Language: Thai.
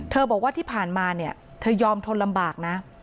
บอกว่าที่ผ่านมาเนี่ยเธอยอมทนลำบากนะ